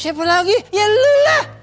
siapa lagi ya lu lah